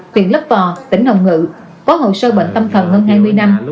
huyện lấp vò tỉnh hồng ngự có hồ sơ bệnh tâm thần hơn hai mươi năm